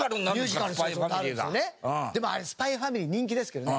でもあれ『ＳＰＹ×ＦＡＭＩＬＹ』人気ですけどね